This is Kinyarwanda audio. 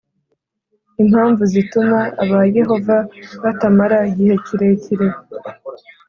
Impamvu zituma abaYehova batamara igihe kirekire